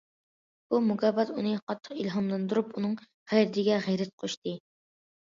بۇ مۇكاپات ئۇنى قاتتىق ئىلھاملاندۇرۇپ ئۇنىڭ غەيرىتىگە غەيرەت قوشتى.